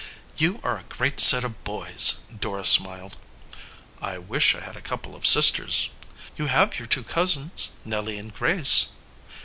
"You are a great set of boys!" Dora smiled. "I wish I had a couple of sisters." "You have your two cousins, Nellie and Grace."